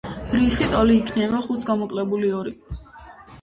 რისი ტოლი იქნებ ხუთს გამოკლებული ორი.